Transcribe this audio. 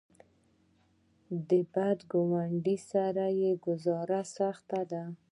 د بد ګاونډي سره ګذاره سخته ده.